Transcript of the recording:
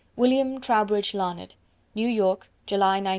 William Trowbridge Larned. New York, July 1918.